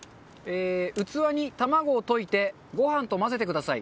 器に卵を溶いてご飯と混ぜてください。